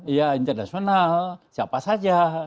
iya internasional siapa saja